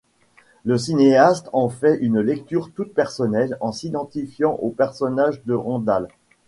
Le cinéaste en fait une lecture toute personnelle en s'identifiant au personnage de Randal.